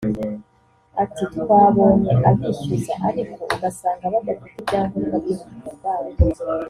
Ati “Twabonye abishyuza ariko ugasanga badafite ibyangombwa by’ubutaka bwabo